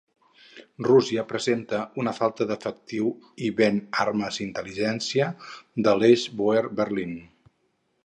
Rússia presenta una falta d'efectiu i ven armes i intel·ligència de l'Eix Bòer-Berlín.